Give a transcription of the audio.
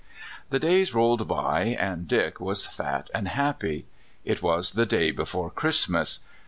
The days rolled by, and Dick was fat and happy. It was the day before Christmas.